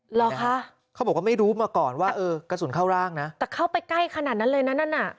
เหรอคะเขาบอกว่าไม่รู้มาก่อนว่าเออกระสุนเข้าร่างนะแต่เข้าไปใกล้ขนาดนั้นเลยนะนั่นน่ะ